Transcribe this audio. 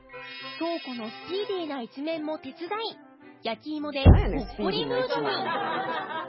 京子のスピーディーな一面も手伝い焼き芋でほっこりムードに